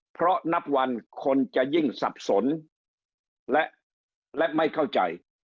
เพราะนับวันคนจะยิ่งสับสนและไม่เข้าใจ